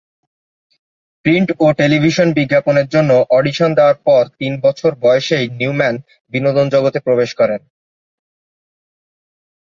Print ও television বিজ্ঞাপনের জন্য অডিশন দেয়ার পর তিন বছর বয়সেই নিউম্যান বিনোদন জগতে প্রবেশ করেন।